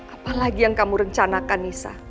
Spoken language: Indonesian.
apalagi yang kamu rencanakan nisa